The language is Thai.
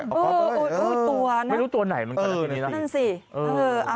โอ้โหตัวนะไม่รู้ตัวไหนมันขนาดตัวนี้นะนั่นสิเออ